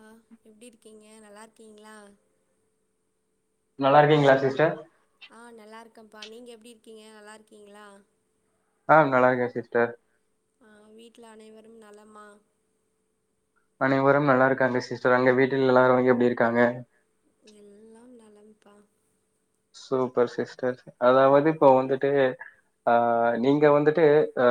அ எப்டி இருக்கீங்க நல்லா இருக்கீங்களா நல்லா இருக்கீங்களா சிஸ்டர் ஆ நல்லா இருக்கேப்பா நீங்க எப்டி இருக்கீங்க நல்லா இருக்கீங்களா ஆ நல்லா இருக்கே சிஸ்டர் ஆ வீட்ல அனைவரும் நலமா அனைவரும் நல்லா இருக்காங்க சிஸ்டர் அங்க வீட்ல் எல்லாரு எப்டி இருக்காங்க எல்லாம் நலம்ப்பா சூப்பர் சிஸ்டர் அதாவது இப்போ வந்துட்டு ஆ நீங்க வந்துட்டு அ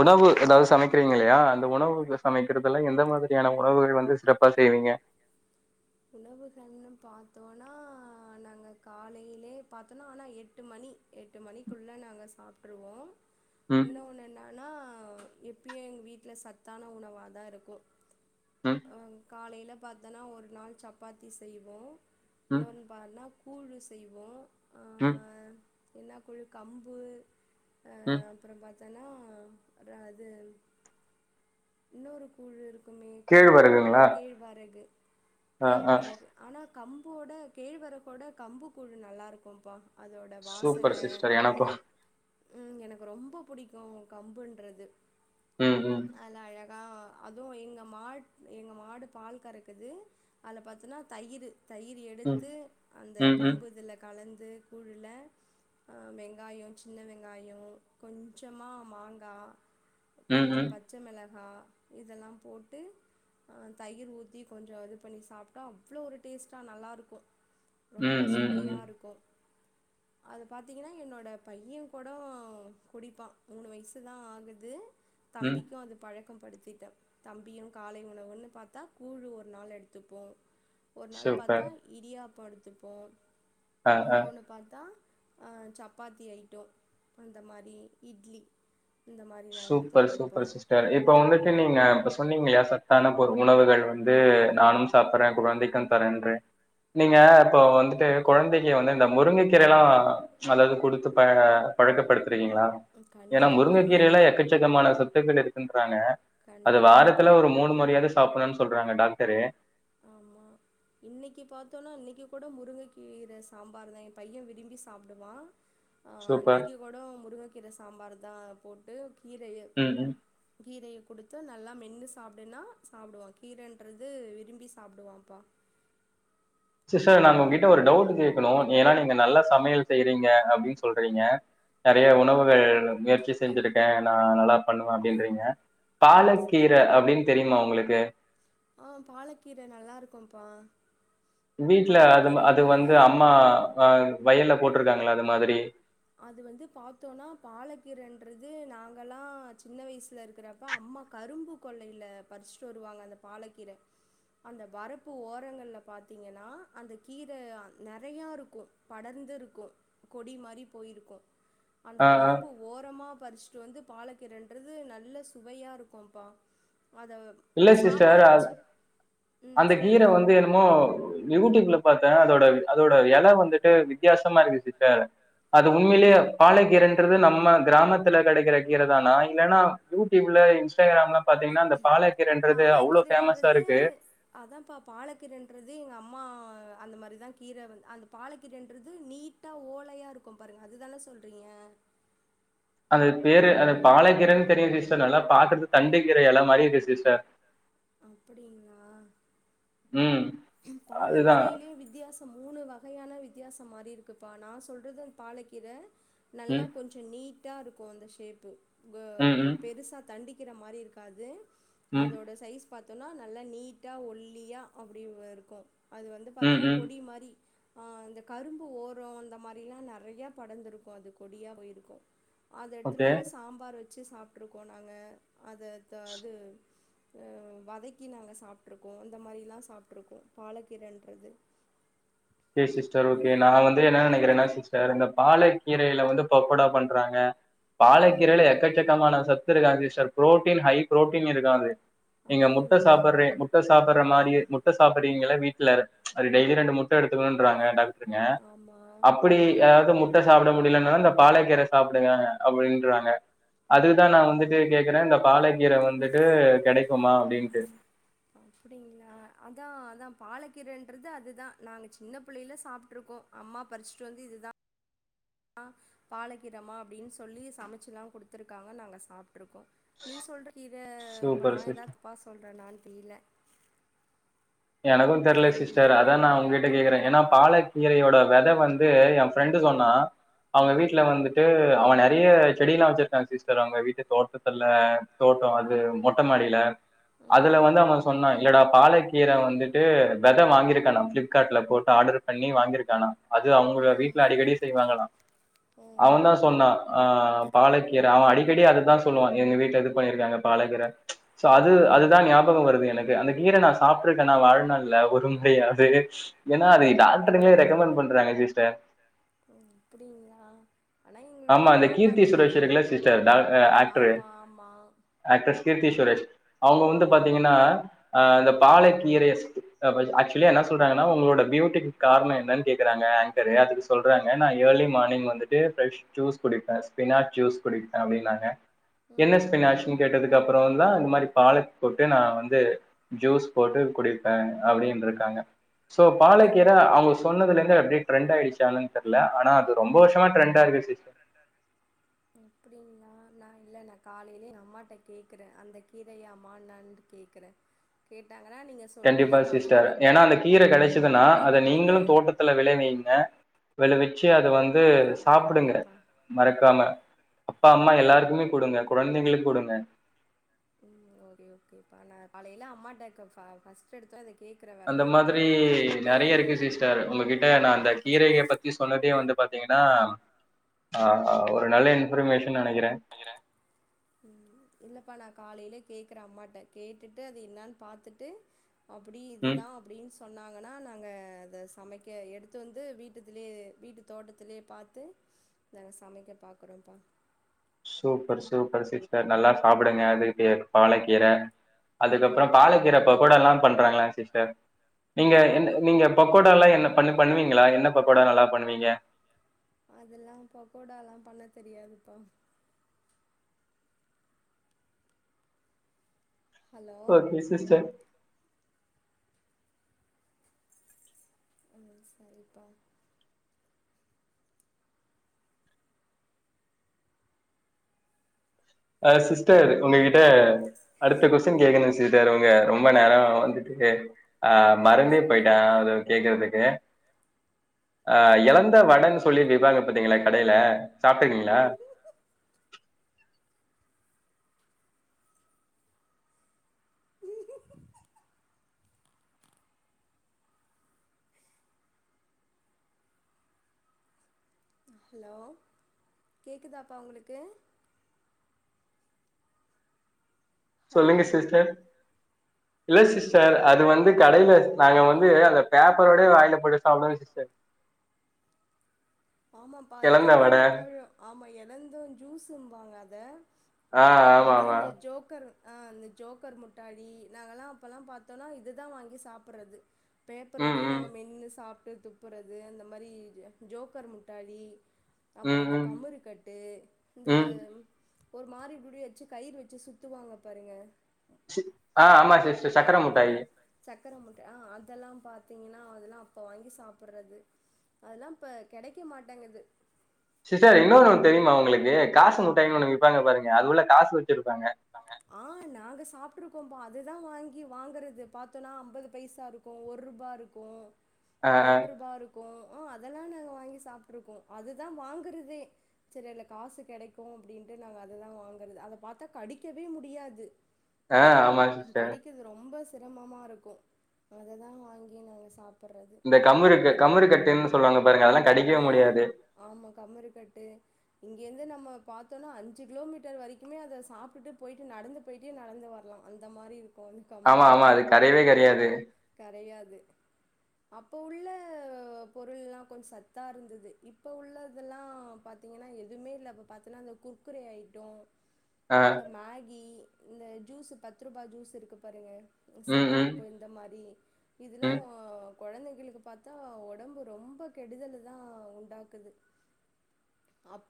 உணவு ஏதாவது சமைக்கிறீங்க இல்லயா அந்த உணவு சமைக்கிறதுல எந்த மாதிரியான உணவுகள் வந்து சிறப்பா செய்வீங்க உணவுகள்ன்னு பார்த்தோனா நாங்க காலையிலே பார்த்தோனா ஆனா எட்டு மணி எட்டு மணிக்குள்ள நாங்க சாப்ட்ருவோ இன்ன ஒண்ணு என்னன்னா எப்பயு எங்க வீட்ல சத்தான உணவாதா இருக்கு காலையில பார்த்தோன்னா ஒரு நாள் சப்பாத்தி செய்வோ இன்னொ எப்பனா கூழு செய்வோ ம் ஆ என்ன கூழு கம்பு ம் அப்பற பாத்தன்னா றா இது இன்னொரு கூழ் இருக்குமே கம்பு கூழு கேழ்வரகு கேழ்வரகு ஆனா கம்போட கேழ்வரகோட கம்பு கூழு நல்லாருக்கும்பா அதோட வாசன ம் எனக்கு ரொம்ப புடிக்கு கம்புன்றது ம் ம் நல்லா அழகா அதுவு எங்க மாட் எங்க மாடு பால் கறக்குது அதுல பாத்தன்னா தயிரு தயிர் எடுத்து அந்த கம்பு இதுல கலந்து கூழுல வெங்காயோ சின்ன வெங்காயோ கொஞ்சமா மாங்கா கொஞ்ச பச்ச மெளகா இதெல்லா போட்டு கொஞ்சோ தயிர் ஊத்தி கொஞ்சோ இது பண்ணி சாப்ட்டா அவ்ளோ ஒரு டேஸ்ட்டா நல்லாருக்கு ரொம்ப சுவையா இருக்கு அது பாத்தீங்கன்னா என்னோட பைய கூட குடிப்பா மூணு வயசுதா ஆகுது தம்பிக்கு அது பழக்க படுத்திட்டா தம்பியு காலை உணவுன்னு பாத்தா கூழு ஒரு நாள் எடுத்துப்போ ஒரு நாள் பாத்தா இடியாப்போ எடுத்துப்போ இன்னொன்னு பாத்தா சப்பாத்தி ஐட்டோ அந்த மாரி இட்லி இந்த மாரி தாங்க எடுத்துப்போம்ப்பா செரி இப்ப வந்துட்டு நீங்க இப்ப சொன்னீங்க இல்லையா சத்தான பொரு உணவுகள் வந்து நானும் சாப்றே கொழந்தைக்கு தரேன்ட்டு நீங்க இப்ப வந்துட்டு கொழந்தைக்கி வந்து இந்த முருங்கக் கீரைல்லா நல்லது குடுத்து பழக பழக்கப்படுத்திருக்கீங்ளா கண்டிப்பாப்பா இன் கீரைல எக்கச்சக்கமான சத்துக்கள் இருக்குன்றாங்க அது வாரத்துல ஒரு மூணு முறையாவது சாப்டணு சொல்றாங்க டாக்டரு இன்னைக்கி பாத்தோன்னா இன்னைக்கு கூட முருங்கைக்கீர சாம்பார் தா எ பைய விரும்பி சாப்டுவா இன்னைக்கி கூட முருங்கைக்கீர சாம்பார் தா போட்டு கீரைய ம் ம் கீரைய கு டுத்து நல்லா மென்னு சாப்டுனா சாப்டுவா கீரைன்றது விரும் பி சாப்டுவாப்பா சிஸ்டர் நாங்க உங்ககிட்ட ஒரு டவுட் கேக் ணு ஏனா நீங்க நல்ல சமையல் செய்றீங்க அப்டின்னு சொல்றீங்க நெறைய உணவுகள் முயற்சி செஞ்சிருக்கே நா நல்லா பண்ணுவே அப்டின்றீங்க பாலக்கீர் ர அப்டின்னு தெரியுமா உங்களுக்கு ஆ பாலக்கீர நல்லா இருக்கும்ப்பா வீட்ல அது வந்து அம்மா அ வயல்ல போட்டிருக்காங்ளா அது மாதிரி அது வந்து பாத்தோனா பாலகீர்ன்றது நாங்கலா சின்ன வயசுல இருக்கிற அப்ப அம்மா கரும்பு கொள்ளையில பறிச்சுட்டு வருவாங்க அந்த பாலக்கீர அந்த வரப்பு ஓரங்கள்ல பாத்தீங்கன்னா அந்த கீர நெறையாருக்கு படர்ந்து இருக்கு கொடி மாரி போயிருக்கு அந்த கரும்பு ஓரமா பறிச்சுட்டு வந்து பாலக்கீரன்றது நல்ல சுவையா இருக்கும்ப்பா அத இல்ல சிஸ்டர் அந்த கீர வந்து என் யூடியூப்ல பாத்தே அதோட அதோட எலை வந்துட்டு வித்தியாசமா இருக்கு சிஸ்டர் அது உண்மயிலேயே பாலகீரன்றது நம்ம கிராமத்துல கிடைக்கிற கீர தானா இல்லன்னா யூடியூப்ல இன்ஸ்டாகிராம்லா பாத்தீங்கன்னா அந்த பாலக்கீரன்றது அவ்ளோ ஃபேமஸா இருக்கு அதாப்பா பாலக்கீரன்றது எங்க அம்மா அந்த மாரி தா கீர வந்து அந்த பாலக்கீரன்றது நீட் நீட்டா ஓலையா இருக்கு பாருங்க அதுதானே சொல்றீங்க அது வேரு அத பாலக்கீரன்னு தெரியு சிஸ்டர் நல்லா பாக்குறது தண்டு கீர எல மாரி இருக்கு சிஸ்டர் அப்டிங்ளா உம் பாலக்கீரையிலே வித்தியாச மூணு வகையான வித்தியாசோமாரி இருக்குப்பா நா சொல்றது பாழக்கீர நல்லா கொஞ் கொஞ்சோ நீட்டா இருக்கு அந்த ஷேப்பு பெருசா தண்டுக்கீர மாரி இருக்காது அதோட சைஸ் பாத்தோம்னா நல்லா நீட்டா ஒல்லியா அப்டி இருக்கு அது வந்து பாத்தோன்னா கொடி மாரி இந்த கரும்பு ஓரோ அந்த மாரில்லா நிறையா படந்திருக்கு அது கொடியா போயிருக்கு அத எடுத்துட்டு வந்து சாம்பார் வச்சு சாப்ட்ருக்கோ நாங்க அத அது வதக்கி நாங்க சாப்ட்ருக்கோ அந்த மாரிலா சாப்ட் க்கோ பாலக்கீரன்றது சேரி சிஸ்டர் ஓகே நா வந்து வந்து என்ன நினைக்கிறேன்னா சிஸ்டர் இந்த பாலக்கீரையில வந்து பக்கோடா பண்றாங்க பாழக்கீரைல எக்கச்சக்கமான சத்து இருக்கா சிஸ்டர் பு்ரோட்டீன் ஹை பு்ரோட்டீன் இருக்கா அது நீங்க முட்ட சாப்பிடுறே முட்ட சாப்பிடுற மாரி முட்ட சாப்பிடுறீங்கள வீட்டுல அது டெய்லி ரெண்டு முட் எடுத்துக்கணும்ன்றாங்க டாக்டருங்க அப்டி எதாவ்து முட் சாப்ட முடியலனாலு இந்த பாழக்கீர சாப்டுங்க அப்டின்றாங்க அதுக்குதா நா வந்துட்டு கேக்குறே இந்த பாலக்கீர வந்துட்டு கிடைக்குமா அப்படின்ட்டு ஓ அப்டிங்களா அதா அதா பாலக்கீரன்றது அதுதா நாங்க சின்ன பிள்ளையில சாப்ட்ருக்கோ அம்மா பறிச்சுட்டு வந்து இதுதா பாலகீரமா அப்டின்னு சொல்லி சமச்சுலா குடுத்துருக்காங்க நாங்க சாப்ட்டுருக்கோ நீங்க சொல்ற கீழ இப்ப நா எதாது தப்பா சொல்றேன்னானு தெரில எனக்கு தெரில சிஸ்டர் அதா நா உங்க்கிட்ட கேக்றே ஏன்னா பாலக்கீரையோட வித வந்து ஃப்ரெண்டு சொன்னா அவங்க வீட்டுல வந்துட்டு அவெ நிறைய செடியெல்லா வச்சிருக்காங்க சிஸ்டர் அவங்க வீட்டு தோட்ட ல்ல தோட்டோ அது மொட்ட மாடில அதுல வந்து அவங்க சொன்னா இல்லடா பாலை கீர வந்துட்டு வெத வாங்கியிருக்கானா ஃப்ளிப்கார்ட்ல போட்டு ஆர்டர் பண்ணி வாங்கியிருக்கானா அது அவங்களோட வீட்டுல அடிக்கடி செய்வாங்களா அவெ தா சொன்னா ஆஹ் பாலக்கீர அவெ அடிக்கடி அதுதா சொல்லுவா எங்க வீட்டுல இது பண்ணியிருக்காங்க பாலக்கீர சோ அது அதுதா ஞாபகோ வருது எனக்கு அந்த கீர நாச சாப்ட்டுருக்கேனா வாழ்நாள்ள ஒரு முறையாது ஏன்னா அதை டாக்டர்ங்களே ரெக்கமெண்ட் பண்றாங்க சிஸ்டர் அப்டிங்ளா ஆனா எங்களோட அம்மா பாத்தீங்கன்னா ஆமா ஆமா ஆக்ட்ரஸ் கீர்த்தி சுரேஷ் அவங்க வந்து பாத்தீங்கன்னா இந்த பால கீரய ஆக்சுவலி என்னா சொல்றாங்கன்னா உங்களோட பியூட்டிக்கு காரணோ என்னனு கேக்குறாங்க ஆங்கரு அதுக்கு சொல்றாங்க நா ஏர்லி மார்னிங் வந்துட்டு ஃபிரஷ் ஜூஸ் குடிப்பே ஸ்பினாக் ஜூஸ் குடிக்கே அப்டின்னாங்க என்ன ஸ்பினாஷனு கேட்டதுக்கு அப்புற அப்றம் தா இந்தந்த மாதிரி பால போட்டு நா வந்து ஜூஸ் போட்டு குடிப்பே அப்டின்ருக்காங்க சோ பாலக்கீர அவங்க சொன்னதுலந்து அப்டியே டிரரெ்யிடுச்சா என்னனு தெரில ஆன அது ரொம்ப வருஷமா ட்ரெண்டா இரு க்கண்டா எப்டினா நா இல்ல நா காலேலயே என் அம்மாட்ட கேக்கறேன் அந்த கீரயாமா நா கேக்கறேன் கேட்டாங்கன்னா நீங்க கண்டிப்பா சிஸ்டர் ஏன்னா அந்த கீர கெடச்சதுன்னா அத நீங்களும் தோட்டத்துல வெளவைங்க வெளவிச்சு அத வந்து சாப்டுங்க மறக்காம அப்பா அம்மா எல்லாருக்குமே குடுங்க கொழந்தைங்களளுக்கு குடுங்க ம் ஓகே ஓகேப்பா நா காலேல அம்மாட்ட பர்ஸ்ட் எடுத்த அந்த மாரி நறைய இருக்கு சிஸ்டர் உங்ககிட்ட நா அந்த கீரய பத்தி சொன்னதே வந்து பாத்தீங்கன்னா ஆ ஒரு நல்ல இன்ஃபர்மேஷன் நனைக்கறேன் [unintelligible] இல்லப்பா நா காலைல கேக்கற அம்மாட்ட கேட்டுட்டு அது என்னான்னு பாத்துட்டு அப்டி இதுதான் அப்டின்னு சொ சொன்னாங்கன்னா நாங்க அத சமைக்க எடுத்து வந்து வீட்டுத்லயே வீட்டு தோட்டத்துலயே பாத்து நா சமைக்க பாக்குறோன்ப்பா சூப்பர் சூப்பர் சிஸ்டர் நல்லா சாப்பிடுங்க அதுக்கு பாலக்கீரை அதுக்கப்றம் பாலகீரப்ப பக்கோடாலாம் பண்றாங்களா சிஸ்டர் நீங்க என் நீங்க பக்கோடாலாம் என்ன பண்ண பண்ணுவீங்களா என்ன பக்கோடா நல்லா பண்ணுவீங்க அதல்லாம் பக்கோடாலாம் பண்ண தெரியாதுப்பா ஓகே சிஸ்டர் உம் சரிப்பா அ சிஸ்டர் உங்ககிட்ட அடுத்த கொஸ்ட டின் கேக்கணு சிஸ்டர் ரொம்ப நேரம் வந்துட்டு ஆ மறந்தே போயிட்டோன் அத கேக்கறதுக்கு அ எலந்த வடன்னு சொல்லி விபாங்க பாாரத்தீங்களா கடைல சாப்ட்டுருக்கீங்களா உம் ஹலோ கேகுதாப்பா உங்களுக்கு சொல்லுங்க சிஸ்டர் இல்ல சிஸ்டர் அது வந்து கடைல நாங்க வந்து அந்த பேப்பரோட வாயில போட்டு சாப்டுவோ சிஸ்டர் ஆமாப்பா அது எழந்த பழம் ஆமா இழந்த ஜூஸ்பாங்க அத அது இந்த ஜோக்கர் ஆ அ இந்த ஜோக்கர் முட்டாளி நாங்கல்லாம் அப்பல்லாம் பாத்தோனா இதுதா வாங்கி சாப்பறது பேப்பரோட நாங்க மென்னு சாப்ட்டு துப்பறது அந்த மாரி ஜோக் குக்கர் முட்டாளி அப்றம் இந்த கமரு கட் டு இந்த ஒரு மாறி இப்டி வச்சு கயிறு வச்சு சுத்துவாங்க பாருங்க ஆ ஆமா சிஸ்டர் சக்கரமுட்டாயி சக்கர முட்ட ஆ அதல்லாம் பாத்தீங்கன்னா அதல்லாம் அப்போ வாங்கி சாப்பறது அதெலாம் இப்போ கெடைக்க மாட்டேங்குது சிஸ்டர் இன்னொன்ன தெரியுமா உங்களுக்கு காசு முட்டாயினு ஒண்ணு விப்பாங்க பாருங்க அது உள்ள காசு வச்சுருப்பாங்க ஆ நாங்க சாப்ட்ருக்கோபா அதுதா வாங்கி வாங்கறது பாத்தோனா அம்பது பைசா இருக் ஒரு ரூபா இருக்கும் ரெண்ட்ரூபா இரு கோ ஓ அதெல்லா நாங்க வாங்கி சாப்ட்டுருக்கோ அதுதா வாங்குறதே செரி அதுல காசு கெடைக்கோ அப்டீன்ட்டு நாங்க அததா வாங்குறதே அத பாத்தா கடிக்கவே முடியாது நம்ம கடிக்கிறது ரொம்ப சிரமமா இருக்கோ அத தா வாங்கி நாங்க சாப் இந்த கம்ருக்கு கமுரு கட்டுன்னு சொல்லுவாங்க பாருங்க அதெல்லா கடிக்கவே முடியாது ஆமா கமருக்கட்டு இங்கேயிருந்து நம்ம பாத்தோனா அஞ்சு கிலோமீட்டர் வரிக்குமே அத சாப் ட்டு போயிட்டு நடந்து போயிட்டே நடந்து வரலா அந்த மாரி இருக் அப்போ வந்து கமுறுக்கட்டு கரையாது அப்போ உள்ள பொருள்ல்லா கொஞ்சோ சத்தா இருந்தது இப்ப உள்ளதுல்லா பாத் தீங்கன்னா எதுமே இல்ல அப்ப பாத்தீங்ன்னா அந்த குறுக்குரே ஐட்டோ இந்த மேகி இந்த ஜூஸ் பத்துருபா ஜூஸ் இருக்கு பாருங்க செவனப்பு இந்த மாரி இதுல்லா கொழந்தைகளுக்கு பாத்தா ஒடம்பு ரொம்ப கெடுதல்தா உண்டாக்குது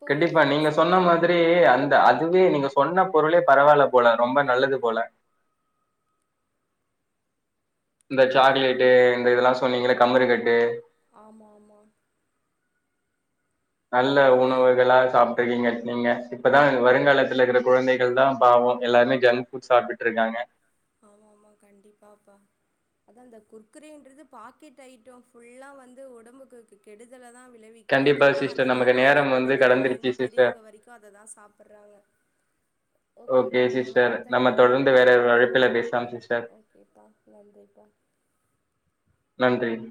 கண்டிப்பா நீங்க சொன்ன மாதிரி அந்த அதுவே நீங்க சொ சொன்ன பொருளே பரவால்ல போல ரொம்ப நல்லது போல இந்த சாக்லேட்டு இந்த இதெல்லா சொன்னீங்கல கமரக்கட்டு நல்ல உணவுகளா சாப்ட்ருக்கீங்க நீங்க சி இப்பதா வருங்காலத்துல இருக்குற கொழந்தைகள்தா பாவோ எல்லாரோ ஜங்க் ஃபுட் சாப்ட்டுட்ருக்காங்க ஆமா ஆமா கண்டிப்பாப்பா அது அந்த குர்க்கரேன்றது பாக்கெட் ஐட்டம் ஃபுல்லா வந்து ஒடம்புக்கு கெடுதலதா விளைவி க்குது ஆனா அததா வாங்கி கொழந்தைங்கள்லேந்து பெரியவங்க வெரீக்கோ அததா சாப்புட்றாங்க ஓகேப்பா நம்ம அடுத்த காலர்ல பாப்போம்ப்பா ஓகேப்பா நன்றிப்பா நன்றீங்க